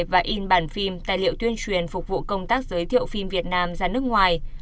và in bản phim tài liệu tuyên truyền phục vụ công tác giới thiệu phim việt nam ra nước ngoài